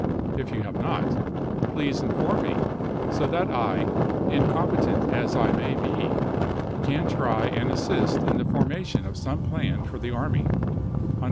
If you have not, please toLlHooklr. inform me, so that I, incompetent as I may be, can voiWxxv., try and assist in the formation of some plan for the Part II., ,, p.